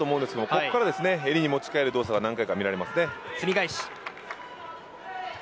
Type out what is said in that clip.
ここから襟に持ち変える動作が何回か見られます。